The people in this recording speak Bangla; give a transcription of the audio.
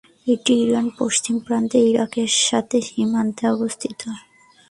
এটি ইরানের পশ্চিম প্রান্তে ইরাকের সাথে সীমান্তে অবস্থিত।